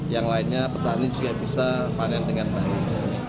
yang lainnya petani juga bisa panen dengan baik